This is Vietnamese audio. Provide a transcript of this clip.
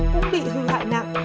cũng bị hư hại nặng